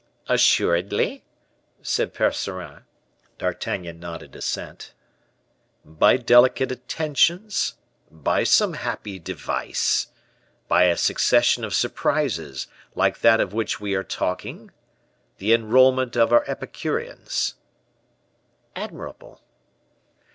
"Assuredly," said Percerin. D'Artagnan nodded assent. "By delicate attentions? by some happy device? by a succession of surprises, like that of which we were talking? the enrolment of our Epicureans." "Admirable."